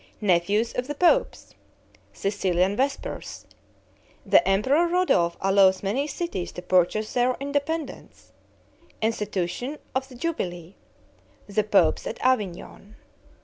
Nephews of the popes Sicilian vespers The Emperor Rodolph allows many cities to purchase their independence Institution of the jubilee The popes at Avignon.